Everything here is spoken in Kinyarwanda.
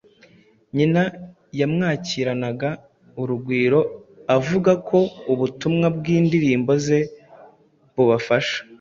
nyina yamwakiranaga urugwiro avuga ko ubutumwa bw'indirimbo ze bubafasha,